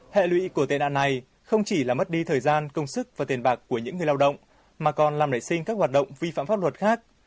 hệ lụy của tệ nạn này không chỉ là mất đi thời gian công sức và tiền bạc của những người lao động mà còn làm nảy sinh các hoạt động vi phạm pháp luật khác